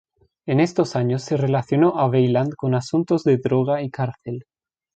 En estos años se relacionó a Weiland con asuntos de droga y cárcel.